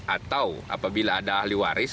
atau apabila ada ahli waris